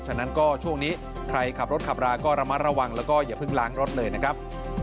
ฉะนั้นก็ช่วงนี้ใครขับรถขับราก็ระมัดระวังแล้วก็อย่าเพิ่งล้างรถเลยนะครับ